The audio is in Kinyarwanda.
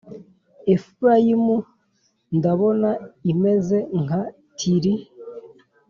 Efurayimu ndabona imeze nka Tiri,